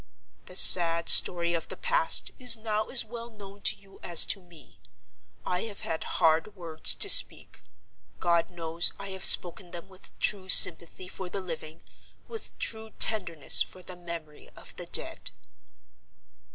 "The sad story of the past is now as well known to you as to me. I have had hard words to speak. God knows I have spoken them with true sympathy for the living, with true tenderness for the memory of the dead."